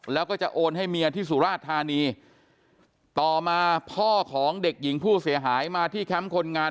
แล้วก็จะโอนให้เมียที่สุราชธานีต่อมาพ่อของเด็กหญิงผู้เสียหายมาที่แคมป์คนงาน